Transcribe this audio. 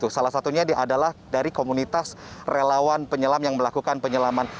salah satunya adalah dari komunitas relawan penyelam yang melakukan penyelaman